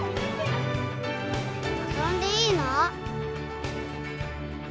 遊んでいいの？